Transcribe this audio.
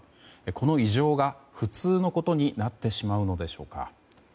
この異常が普通のことになってしまうのでしょうか。